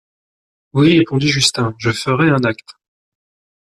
Oui, répondit Justin, je ferais un acte.